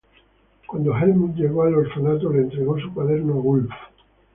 Cuando Helmuth llegó al orfanato, le entregó su cuaderno a Wulf.